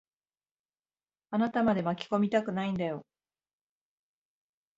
あなたまで巻き込みたくないんだよ。